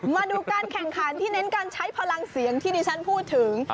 มาดูการแข่งขันที่เน้นการใช้พลังเสียงที่ดิฉันพูดถึง